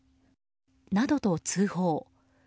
などと通報。